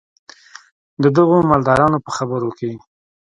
د دغو مالدارانو په خبرو کې.